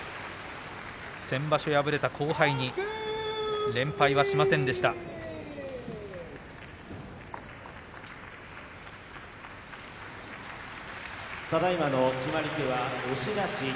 先場所、敗れた後輩に連敗はしませんでした。